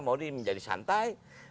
maudie menjadi santai